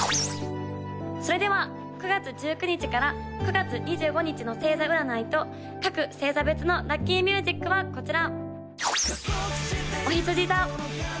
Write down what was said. それでは９月１９日から９月２５日の星座占いと各星座別のラッキーミュージックはこちら！